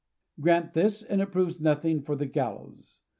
Grant this, and it proves nothing for the gallows.